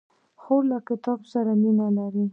خور له کتاب سره مینه لري.